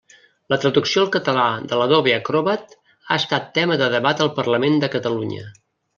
La traducció al català de l'Adobe Acrobat ha estat tema de debat al Parlament de Catalunya.